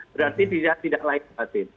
berarti tidak layak batin